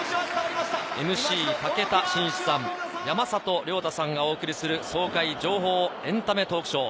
ＭＣの武田真さん、山里亮太さんがお送りする爽快・情報エンタメトークショー